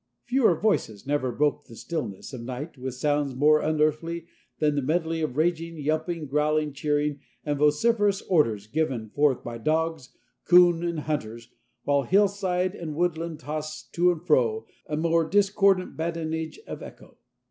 Fewer voices never broke the stillness of night with sounds more unearthly than the medley of raging, yelping, growling, cheering, and vociferous orders given forth by dogs, coon, and hunters, while hillside and woodland toss to and fro a more discordant badinage of echo.